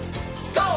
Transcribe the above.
ＧＯ！